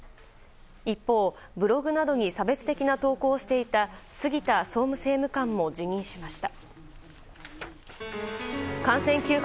一方、ブログなどに差別的な投稿をしていた杉田総務政務官も辞任しました。